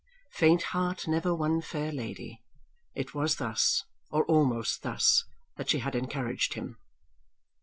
"Faint heart never won fair lady." It was thus, or almost thus, that she had encouraged him.